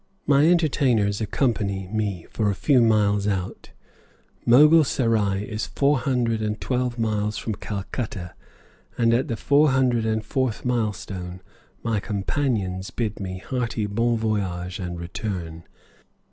My entertainers accompany me for a few miles out. Mogul Serai is four hundred and twelve miles from Calcutta, and at the four hundred and fourth milestone my companions bid me hearty bon voyage and return.